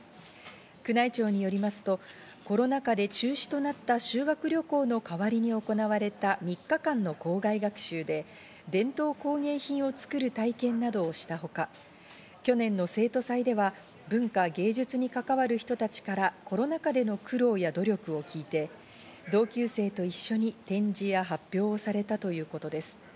宮内庁によりますとコロナ禍で中止となった修学旅行の代わりに行われた３日間の校外学習で伝統工芸品を作る体験などをしたほか、去年の生徒祭では、文化芸術に関わる人たちからコロナ禍での苦労や努力を聞いて、同級生と一緒に展示や発表をされたということです。